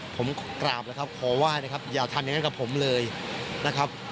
ผมกราบแล้วครับขอไหว้นะครับอย่าทำอย่างนั้นกับผมเลยนะครับ